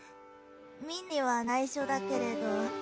みんなにはないしょだけれど。